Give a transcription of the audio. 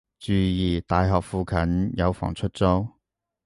注意！大學附近有房出租